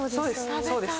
そうです。